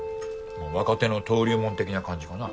若手の登竜門的な感じかな。